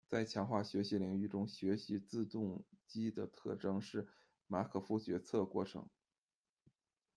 在强化学习的领域中，学习自动机的特征是马可夫决策过程。